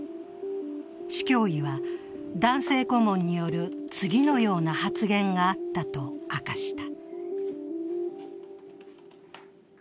市教委は、男性顧問による次のような発言があったと明かした。